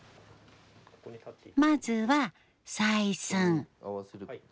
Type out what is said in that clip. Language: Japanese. まずは採寸。